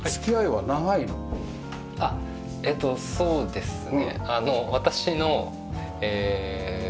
えっとそうですね。